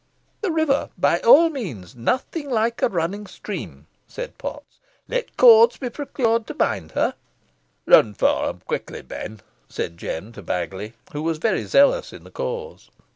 "The river, by all means nothing like a running stream," said Potts. "Let cords be procured to bind her." "Run fo 'em quickly, Ben," said Jem to Baggiley, who was very zealous in the cause.